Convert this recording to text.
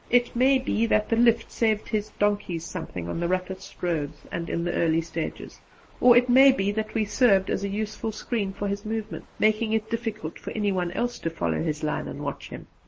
It may be that the 'lift' saved his donkeys something on the roughest roads and in the early stages; or it may be that we served as a useful screen for his movements, making it difficult for any one else to follow his line and watch him.